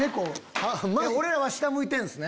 俺らは下向いてんすね？